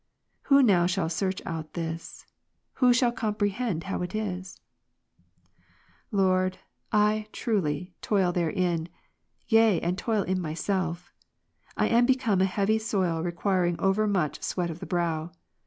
Who now shall search out this ? who shall comprehend how it is ? 25, Lord, I, truly, toil therein, yea and toil in myself; I am become a heavy soil requiring over much sweat of the brow.